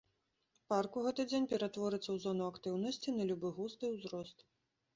Парк у гэты дзень ператворыцца ў зону актыўнасці на любы густ і ўзрост.